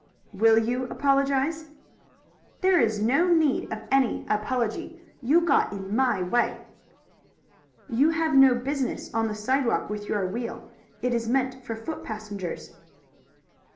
"Will you apologize?" "There is no need of an apology. You got in my way." "You have no business on the sidewalk with your wheel. It is meant for foot passengers."